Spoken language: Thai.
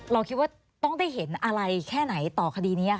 เราคิดว่าต้องได้เห็นอะไรแค่ไหนต่อคดีนี้